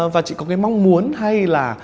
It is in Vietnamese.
và chị có cái mong muốn hay là